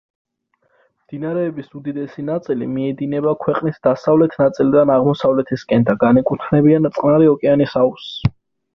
მდინარეების უდიდესი ნაწილი მიედინება ქვეყნის დასავლეთ ნაწილიდან აღმოსავლეთისკენ და განეკუთვნებიან წყნარი ოკეანის აუზს.